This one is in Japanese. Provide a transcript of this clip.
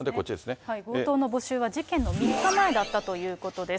強盗の募集は、事件の３日前だったということです。